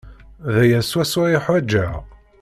D aya swaswa i ḥwajeɣ.